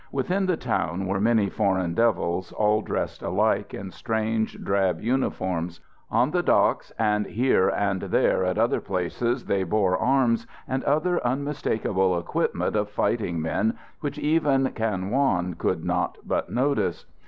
Within the town were many Foreign Devils, all dressed alike in strange drab uniforms; on the docks and here and there at other places they bore arms and other unmistakable equipment of fighting men, which even Kan Wong could not but notice.